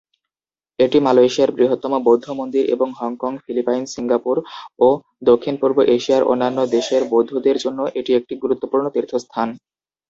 এটি মালয়েশিয়ার বৃহত্তম বৌদ্ধ মন্দির, এবং হংকং, ফিলিপাইন, সিঙ্গাপুর এবং দক্ষিণ-পূর্ব এশিয়ার অন্যান্য দেশের বৌদ্ধদের জন্য এটি একটি গুরুত্বপূর্ণ তীর্থস্থান।